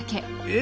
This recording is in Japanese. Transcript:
え！